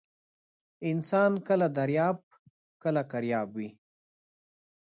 انسان کله درياب ، کله کرياب وى.